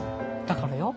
だからよ。